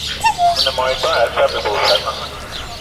Me ne mô-etone ya Sa'a bebe y Osananga